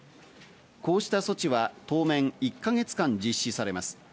こうした措置は当面、１か月間実施されます。